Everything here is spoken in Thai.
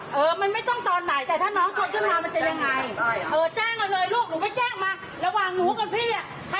ตอนนี้มันยังไม่ได้ชนแต่ถ้ามันชนขึ้นมาล่ะ